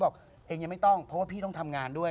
บอกเองยังไม่ต้องเพราะว่าพี่ต้องทำงานด้วย